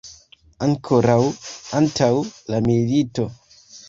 Ankoraŭ antaŭ la milito.